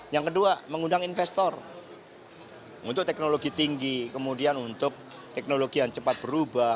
yang kedua mengundang investor untuk teknologi tinggi kemudian untuk teknologi yang cepat berubah